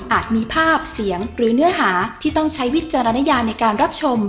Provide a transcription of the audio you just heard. มีภาพเสียงหรือเนื้อหาที่ต้องใช้วิจารณญาในการรับชม